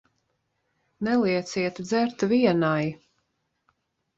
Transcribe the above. Nelieciet dzert vienai.